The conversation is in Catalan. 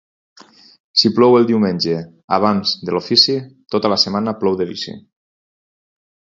Si plou el diumenge abans de l'ofici, tota la setmana plou de vici.